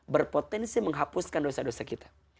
berpotensi menghapuskan dosa dosa kita